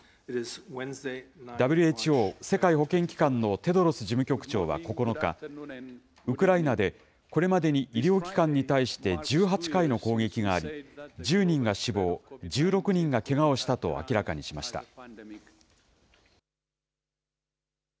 ＷＨＯ・世界保健機関のテドロス事務局長は９日、ウクライナでこれまでに医療機関に対して１８回の攻撃があり、１０人が死亡、１６人がけがをしたと明らかにしました。